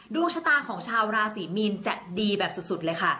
ดวงชะตาของชาวราศรีมีนจะดีแบบสุดเลยค่ะ